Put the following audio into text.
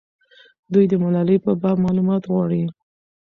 دوی د ملالۍ په باب معلومات غواړي.